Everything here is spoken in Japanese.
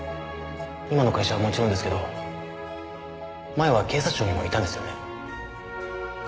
今の会社はもちろんですけど前は警察庁にもいたんですよね？